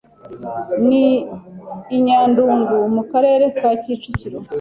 ni i Nyandungu, mu karere ka Kicukiro